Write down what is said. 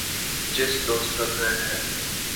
جس دوست کا گھر ہے